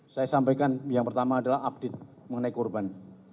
saya sampaikan yang pertama adalah update mengenai korban